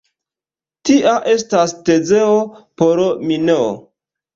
Tia estas Tezeo por Minoo.